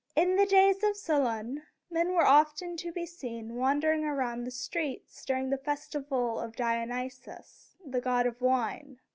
In the days of Solon, men were often to be seen wandering around the streets during the festival of Di o ny´sus, god of wine.